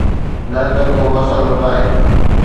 نه نه، ڪو مسئلو ناهي